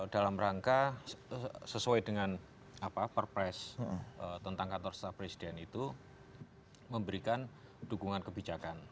dalam rangka sesuai dengan perpres tentang kantor staf presiden itu memberikan dukungan kebijakan